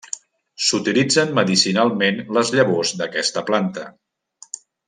S'utilitzen medicinalment les llavors d'aquesta planta.